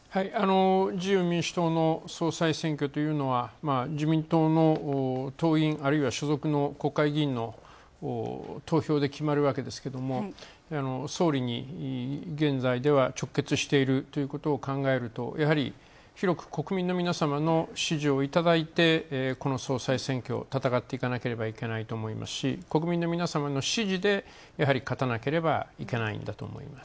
自由民主党の総裁選挙というのは自民党の党員、あるいは、所属の国会議員の投票で決まるわけですけれど、総理に現在では直結しているということを考えると、やはり広く国民の皆様の支持をいただいて、この総裁選挙を戦っていかなければいけないと思いますし、国民の皆様の支持でやはり勝たなければいけないんだと思います。